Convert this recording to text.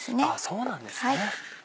そうなんですね。